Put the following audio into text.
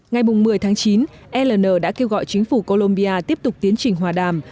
ngày một mươi tháng chín ln đã kêu gọi chính phủ colombia tiếp tục tiến trình hòa đàm